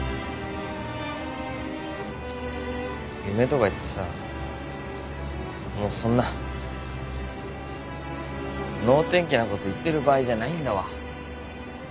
夢とか言ってさもうそんな能天気なこと言ってる場合じゃないんだわ。